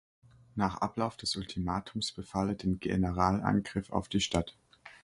Nach Ablauf des Ultimatums befahl er den Generalangriff auf die Stadt.